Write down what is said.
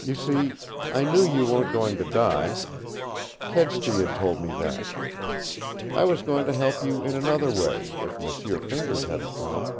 You see, I knew you weren't going to die. Kedsty had told me that. I was going to help you in another way, if M'sieu Fingers hadn't come.